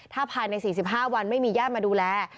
ถ้าภายใน๔๕วันไม่มีญาติมาดูแล